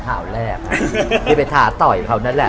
ข่าวแรกที่ไปท้าต่อยเขานั่นแหละ